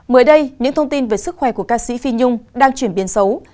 mới đây những thông tin về sức khỏe của ca sĩ phi nhung đang chuyển biến xấu